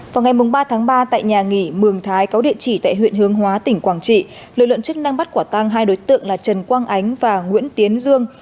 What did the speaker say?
vào ngày ba tháng ba tại nhà nghỉ mường thái có địa chỉ tại huyện hướng hóa tỉnh quảng trị lực lượng chức năng bắt quả tang hai đối tượng là trần quang ánh và nguyễn tiến dương